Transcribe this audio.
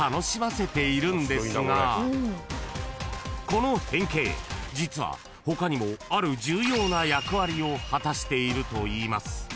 ［この変形実は他にもある重要な役割を果たしているといいます］